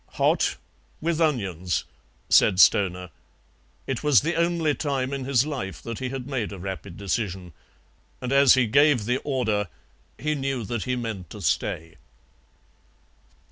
"Hot, with onions," said Stoner. It was the only time in his life that he had made a rapid decision. And as he gave the order he knew that he meant to stay.